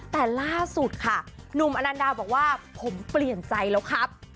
แต่ล่าสุดค่ะหนุ่มอนันดาบอกว่าผมเปลี่ยนใจแล้วครับ